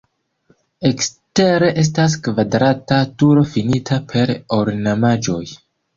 Ekstere estas kvadrata turo finita per ornamaĵoj.